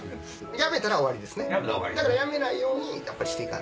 やめたら終わりですねだからやめないようにして。